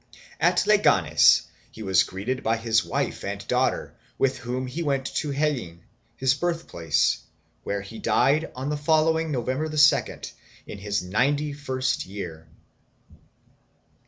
At Leganes he was greeted by his wife and daughter, with whom he went to Hellin, his birth place, where he died on the following November 2d, in his ninety first year.